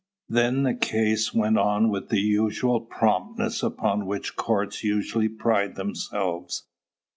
Then the case went on with the unusual promptness upon which courts usually pride themselves.